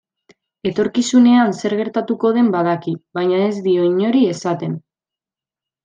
Etorkizunean zer gertatuko den badaki, baina ez dio inori esaten.